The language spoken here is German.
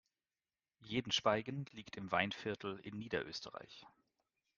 Jedenspeigen liegt im Weinviertel in Niederösterreich.